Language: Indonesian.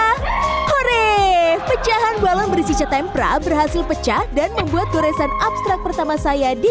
sore pecahan balon berisi cetempra berhasil pecah dan membuat goresan abstrak pertama saya di